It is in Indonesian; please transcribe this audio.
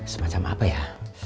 semacam apa ya